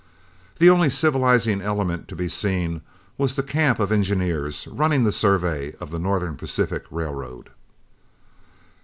The only civilizing element to be seen was the camp of engineers, running the survey of the Northern Pacific railroad.